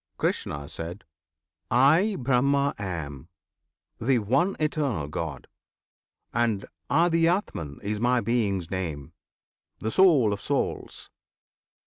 Krishna. I BRAHMA am! the One Eternal GOD, And ADHYATMAN is My Being's name, The Soul of Souls!